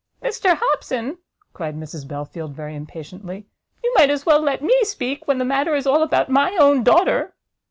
"Mr Hobson," cried Mrs Belfield, very impatiently, "you might as well let me speak, when the matter is all about my own daughter."